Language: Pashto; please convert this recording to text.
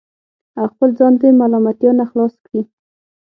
او خپل ځان د ملامتیا نه خلاص کړي